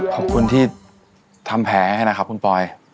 ขอบคุณที่ทำแผลให้นะครับคุณปอย